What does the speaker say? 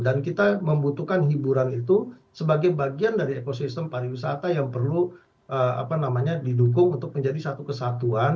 dan kita membutuhkan hiburan itu sebagai bagian dari ekosistem pariwisata yang perlu didukung untuk menjadi satu kesatuan